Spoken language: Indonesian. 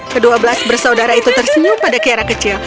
kedua belas bersaudara itu tersenyum pada kiara kecil